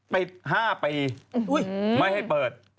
ปิด๕ปีไม่ให้เปิด